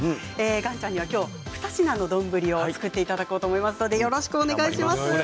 岩ちゃんには今日、２品の丼を作っていただこうと思いますのでよろしくお願いします。